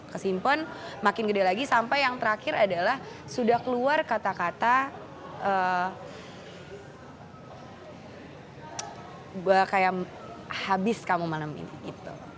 kesimpan makin gede lagi sampai yang terakhir adalah sudah keluar kata kata habis kamu malam ini gitu